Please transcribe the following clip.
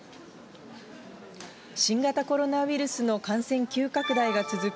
新型コロナウイルスの感染急拡大が続く